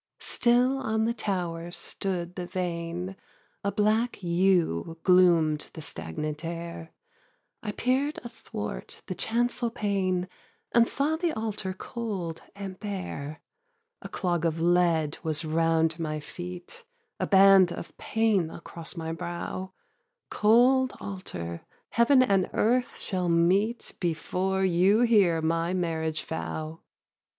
Still on the tower stood the vane, A black yew gloom'd the stagnant air, I peer'd athwart the chancel pane And saw the altar cold and bare. A clog of lead was round my feet, A band of pain across my brow; 'Cold altar, Heaven and earth shall meet Before you hear my marriage vow.' 2.